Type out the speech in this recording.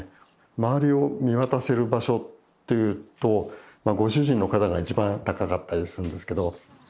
周りを見渡せる場所っていうとご主人の肩が一番高かったりするんですけど。